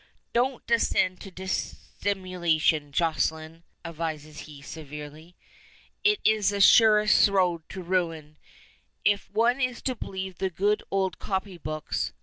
"Don't descend to dissimulation, Jocelyne," advises he, severely. "It's the surest road to ruin, if one is to believe the good old copy books.